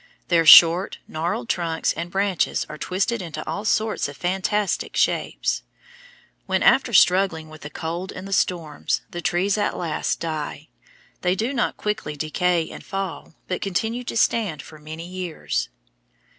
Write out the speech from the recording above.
Their short, gnarled trunks and branches are twisted into all sorts of fantastic shapes. When, after struggling with the cold and the storms, the trees at last die, they do not quickly decay and fall, but continue to stand for many years.